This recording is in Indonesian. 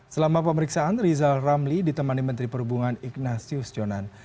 selama pemeriksaan rizal ramli ditemani menteri perhubungan ignatius jonan